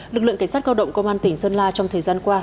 lực lượng cảnh sát cơ động công an tỉnh sơn la trong thời gian qua